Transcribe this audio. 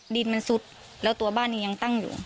ดินมันซุดแล้วตัวบ้านนี้ยังตั้งอยู่